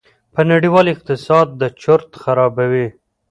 په نړېوال اقتصاد چورت خرابوي.